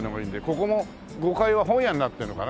ここも５階は本屋になってるのかな？